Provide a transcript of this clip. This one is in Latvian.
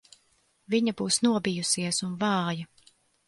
Viņa būs nobijusies un vāja.